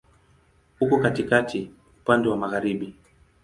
Uko katikati, upande wa magharibi.